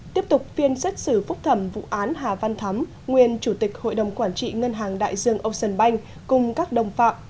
tiếp tục phiên xét xử phúc thẩm vụ án hà văn thắm nguyên chủ tịch hội đồng quản trị ngân hàng đại dương ocean bank cùng các đồng phạm